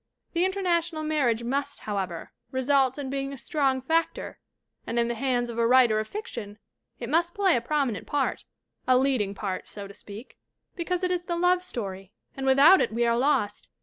The international marriage must, how ever, result in being a strong factor, and in the hands of a writer of fiction it must play a prominent part a leading part, so to speak because it is the love story, and without it we are lost.